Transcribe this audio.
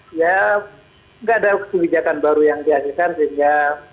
tidak ada kebijakan baru yang dihasilkan sehingga